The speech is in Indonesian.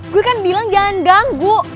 gua kan bilang jangan ganggu